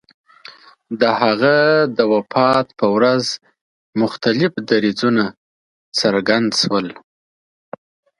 د هغه د وفات په ورځ مختلف دریځونه څرګند شول.